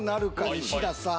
西田さん。